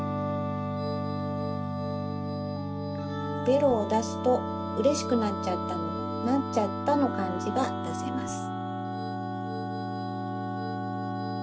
ベロをだすと「うれしくなっちゃった」の「なっちゃった」のかんじがだせます。